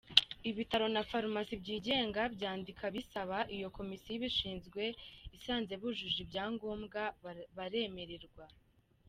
Ibitaro na farumasi byigenga byandika bisaba, iyo ikomisiyo ibishinzwe isanze bujuje ibyangombwa baremererwa.